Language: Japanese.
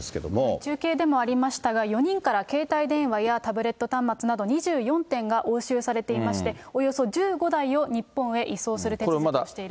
中継でもありましたが、４人から携帯電話やタブレット端末など２４点が押収されていまして、およそ１５台を日本へ移送する手続きをしていると。